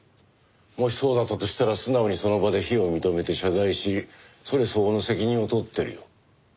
もしそうだったとしたら素直にその場で非を認めて謝罪しそれ相応の責任を取ってるよ。